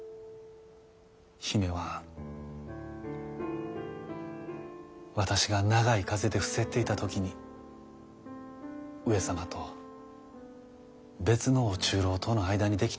姫は私が長い風邪で伏せっていた時に上様と別の御中臈との間にできた子ぉや。